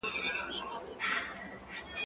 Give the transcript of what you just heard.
زه له سهاره د زده کړو تمرين کوم!؟